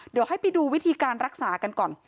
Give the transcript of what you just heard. เดี๋ยวให้ไปดูวิธีการรักษากันก่อน